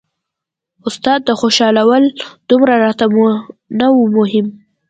استاد خوشحالول دومره راته نه وو مهم.